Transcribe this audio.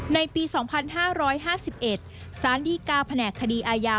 ในปี๒๕๕๑ศาลดีกาแผ่นขณะคดีอาญา